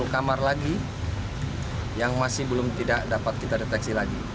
sepuluh kamar lagi yang masih belum tidak dapat kita deteksi lagi